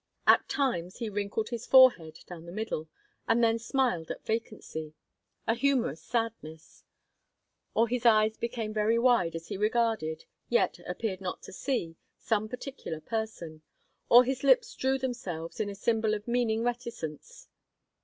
At times he wrinkled his forehead down the middle, and then smiled at vacancy a humorous sadness; or his eyes became very wide as he regarded, yet appeared not to see, some particular person; or his lips drew themselves in, a symbol of meaning reticence.